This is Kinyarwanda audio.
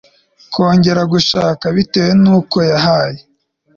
kongera gushaka, bitewe n'uko yahaye